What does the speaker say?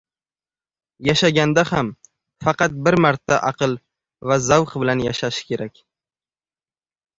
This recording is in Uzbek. yashaganda ham faqat bir marta aql va zavq bilan yashashi kerak.